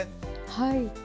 はい。